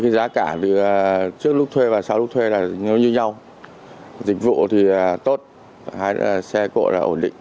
các dịch vụ thuê xe tự lái là ổn định